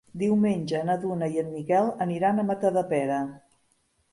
Diumenge na Duna i en Miquel aniran a Matadepera.